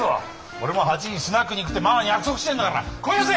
俺も８時にスナックに行くってママに約束してんだから声出せ！